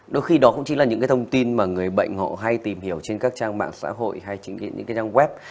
đôi khi đó cũng chỉ là những thông tin mà người bệnh họ hay tìm hiểu trên các trang mạng xã hội hay những trang web